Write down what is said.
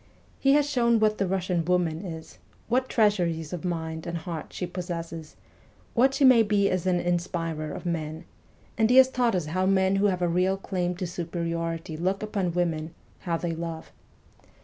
He has shown what the Russian woman is, what treasuries of mind and heart she possesses, what she may be as an inspirer of men ; and he has taught us how men who have a real claim to superiority look upon women, how they love.